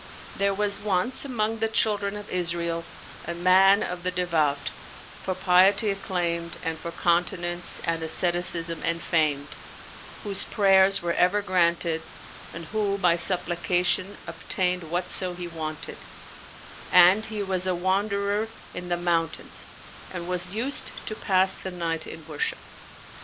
There was once, among the children of Israel, a man of the devout, for piety acclaimed and for continence and asceticism enfamed, whose prayers were ever granted and who by supplication obtained whatso he wanted; and he was a wanderer in the mountains and was used to pass the night in worship.